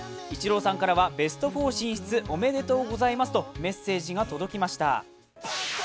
イチローさんからはベスト４進出おめでとうございますとメッセージが届きました。